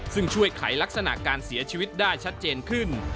ซึ่งช่วยไขลักษณะการเสียชีวิตได้ชัดเจนขึ้น